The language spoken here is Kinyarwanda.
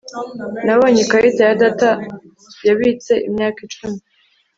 Nabonye ikarita ya data yabitse imyaka icumi